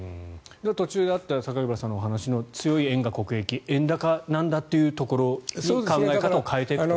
途中であった榊原さんのお話にあった強い円が国益なんだという考え方を変えていくと。